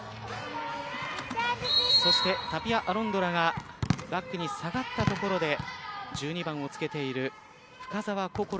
タピア・アロンドラがバックに下がったところで１２番をつけている深沢媛